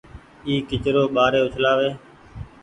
اي ڪچرو ٻآري اڇلآ وي